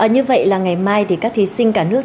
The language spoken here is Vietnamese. như vậy là ngày mai thì các thí sinh cả nước